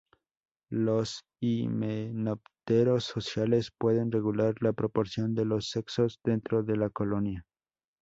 Los himenópteros sociales pueden regular la proporción de los sexos dentro de la colonia.